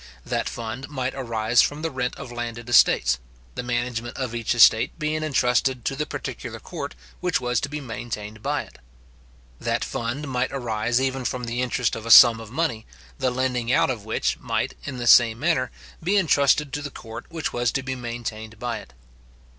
That fund might arise from the rent of landed estates, the management of each estate being entrusted to the particular court which was to be maintained by it. That fund might arise even from the interest of a sum of money, the lending out of which might, in the same manner, be entrusted to the court which was to be maintained by it.